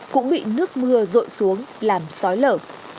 cũng bị nước mưa rội xuống làm sói lở